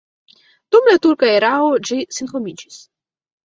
Dum la turka erao ĝi senhomiĝis.